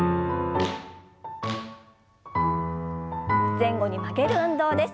前後に曲げる運動です。